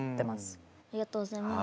ありがとうございます。